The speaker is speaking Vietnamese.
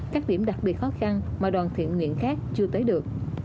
các điểm đặc biệt khó khăn mà đoàn thiện nguyện khác chưa tới được